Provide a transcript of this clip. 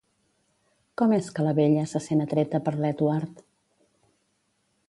Com és que la Bella se sent atreta per l'Edward?